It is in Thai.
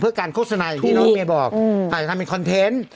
เพื่อการโฆษณาอย่างที่น้องเมย์บอกอาจจะทำเป็นคอนเทนต์